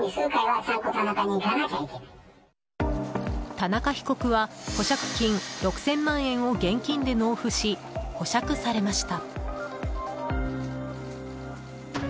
田中被告は保釈金６０００万円を現金で納付し、保釈されました。